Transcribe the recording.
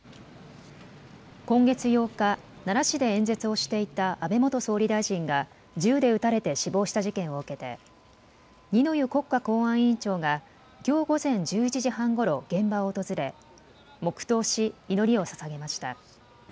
今月８日、奈良市で演説をしていた安倍元総理大臣が銃で撃たれて死亡した事件を受けて二之湯国家公安委員長がきょう午前１１時半ごろ、現場を訪れ黙とうし祈りをささげました。